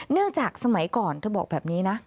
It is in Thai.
จากสมัยก่อนเธอบอกแบบนี้นะ